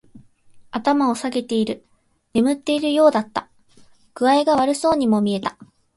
頭を下げている。眠っているようだった。具合が悪そうにも見えた。